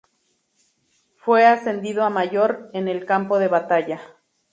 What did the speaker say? Fue ascendido a mayor, en el campo de batalla.